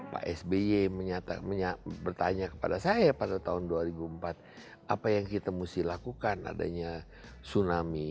pak sby bertanya kepada saya pada tahun dua ribu empat apa yang kita mesti lakukan adanya tsunami